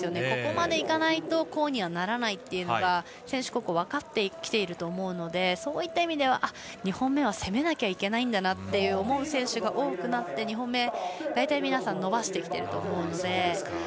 ここまでいかないとこうにはならないっていうのが選手個々分かってきていると思うのでそういった意味で２本目は攻めなきゃいけないんだなと思う選手が多くなって、２本目、大体皆さん伸ばしてきていると思うので。